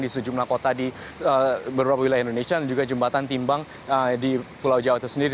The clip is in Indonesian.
di sejumlah kota di beberapa wilayah indonesia dan juga jembatan timbang di pulau jawa itu sendiri